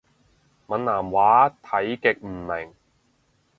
閩南話睇極唔明